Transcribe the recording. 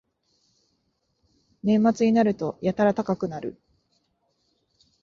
年末になるとやたら高くなる